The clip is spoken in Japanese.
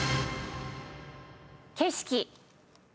景色。